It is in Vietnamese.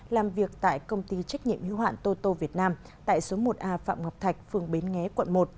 làm việc tại công ty trách nhiệm hiếu hoạn tô tô việt nam tại số một a phạm ngọc thạch phường bến nghé quận một